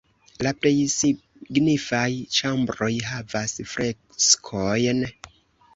La plej signifaj ĉambroj havas freskojn.